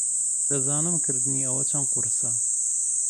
دەزانم کردنی ئەوە چەند قورسە.